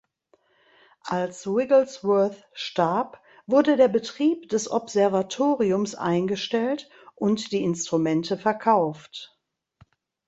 Als Wigglesworth starb wurde der Betrieb des Observatoriums eingestellt und die Instrumente verkauft.